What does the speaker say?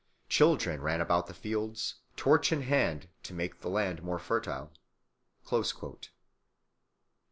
Children ran about the fields, torch in hand, to make the land more fertile."